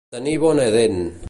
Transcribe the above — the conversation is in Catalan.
Tenir bona dent.